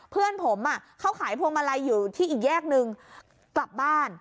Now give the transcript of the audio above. เพื่อนผมเขาขายพวงมาลัยอยู่ที่อีกแยกนึงกลับบ้าน